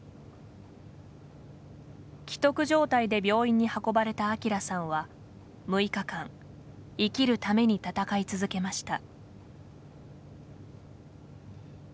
危篤状態で病院に運ばれた朗さんは６日間生きるために闘い続けました。